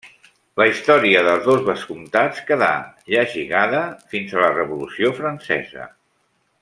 La història dels dos vescomtats quedà ja lligada fins a la Revolució Francesa.